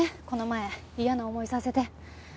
この前嫌な思いさせて。